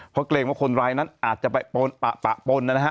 เพราะเกรงว่าคนร้ายนั้นอาจจะไปปะปนนะฮะ